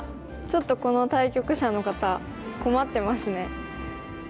ちょっとこの対局者の方困ってますね。